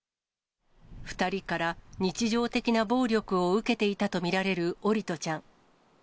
２人から日常的な暴力を受けていたと見られる桜利斗ちゃん。